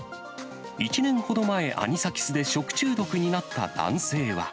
１年ほど前、アニサキスで食中毒になった男性は。